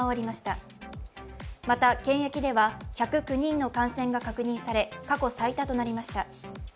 また、検疫では１０９人の感染が確認され過去最多となりました。